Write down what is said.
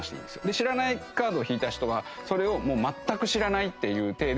で知らないカードを引いた人はそれを全く知らないっていう体で聞くっていう。